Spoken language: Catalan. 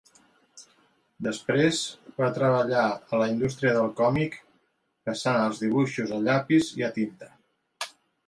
Després va treballar a la industria del còmic passant els dibuixos a llapis i a tinta.